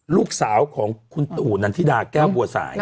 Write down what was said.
ลูกสาวของคุณตู่นันทิดาแก้วบัวสาย